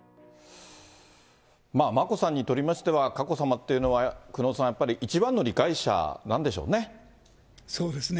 眞子さんにとりましては、佳子さまというのは、久能さん、やっぱり一番の理解者なんでしょうね。